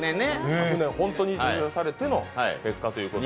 昨年、本当に受賞されての結果ということで。